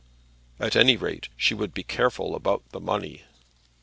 At any rate she would be careful about the money.